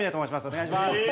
お願いします